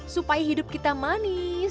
supaya hidup kita manis